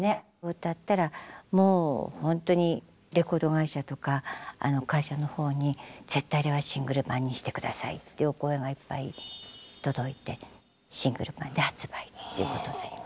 歌ったらもうほんとにレコード会社とか会社の方に「絶対あれはシングル盤にして下さい」っていうお声がいっぱい届いてシングル盤で発売っていうことになりました。